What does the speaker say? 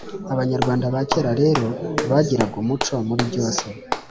Abanyarwanda ba kera rero bagiraga umuco muribyose